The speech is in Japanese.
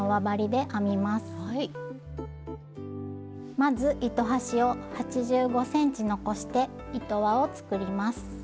まず糸端を８５ｃｍ残して糸輪を作ります。